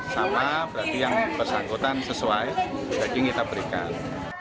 sama berarti yang bersangkutan sesuai daging kita berikan